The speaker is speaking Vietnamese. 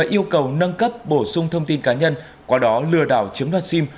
yêu cầu nâng cấp bổ sung thông tin cá nhân qua đó lừa đảo chiếm đoạt sim